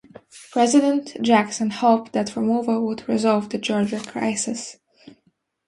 President Jackson hoped that removal would resolve the Georgia crisis.